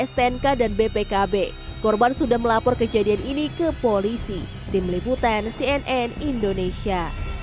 stnk dan bpkb korban sudah melapor kejadian ini ke polisi tim liputan cnn indonesia